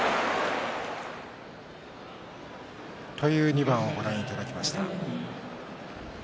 ２番ご覧いただきました。